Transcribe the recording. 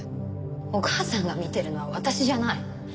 お母さんが見てるのは私じゃない。